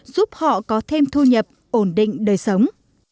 giúp họ có thêm thu nhập ổn định đời sống